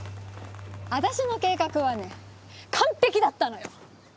私の計画はね完璧だったのよ！